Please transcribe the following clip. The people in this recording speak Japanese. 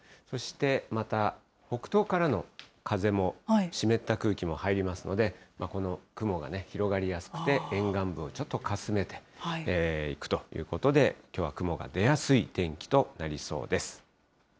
そしてまた北東からの風も、湿った空気も入りますので、この雲が広がりやすくて、沿岸部をちょっとかすめていくということで、きょうは雲が出やすい天気となりそうです。